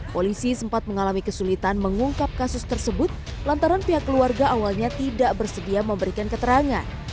polisi sempat mengalami kesulitan mengungkap kasus tersebut lantaran pihak keluarga awalnya tidak bersedia memberikan keterangan